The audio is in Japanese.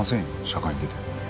社会に出て。